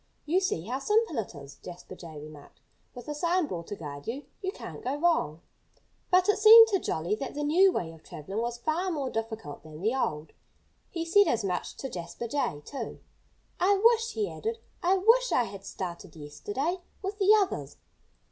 You see how simple it is," Jasper Jay remarked. "With a sign board to guide you, you can't go wrong." But it seemed to Jolly that the new way of travelling was far more difficult than the old. He said as much to Jasper Jay, too. "I wish " he added "I wish I had started yesterday, with the others."